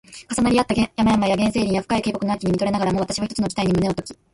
重なり合った山々や原生林や深い渓谷の秋に見とれながらも、わたしは一つの期待に胸をとき